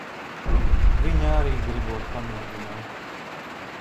Viņa arī gribot pamēģināt.